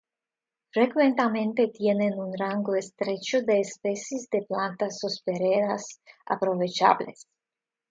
Frecuentemente tienen un rango estrecho de especies de plantas hospederas aprovechables.